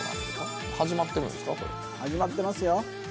始まってますよ。